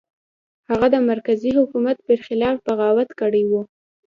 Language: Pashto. هغه د مرکزي حکومت پر خلاف بغاوت کړی و.